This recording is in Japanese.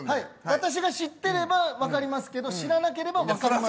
私が知ってれば分かりますけど知らなければ分かりません。